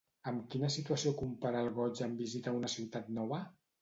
Amb quina situació compara el goig en visitar una ciutat nova?